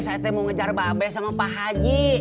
saya mau ngejar babes sama pak haji